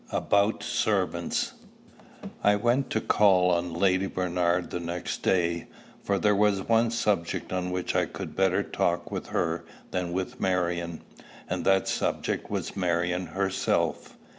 ABOUT SERVANTS. I went to call on Lady Bernard the next day: for there was one subject on which I could better talk with her than with Marion; and that subject was Marion herself.